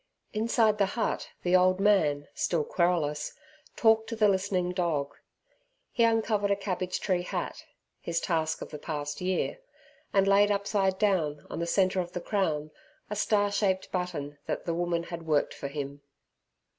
Inside the hut, the old man, still querulous, talked to the listening dog. He uncovered a cabbage tree hat his task of the past year and laid upside down, on the centre of the crown, a star shaped button that the woman had worked for him.